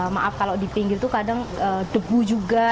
maaf kalau di pinggir itu kadang debu juga